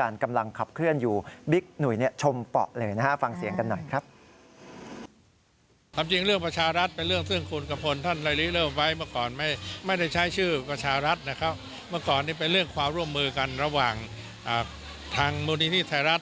ร่วมมือกันระหว่างทางมูลนิธิไทยรัฐ